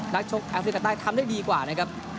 ชกแอฟริกาใต้ทำได้ดีกว่านะครับ